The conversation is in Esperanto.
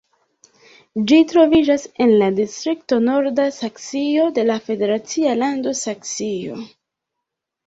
Ĝi troviĝas en la distrikto Norda Saksio de la federacia lando Saksio.